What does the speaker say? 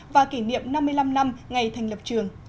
và kỷ niệm năm mươi năm năm ngày thành lập trường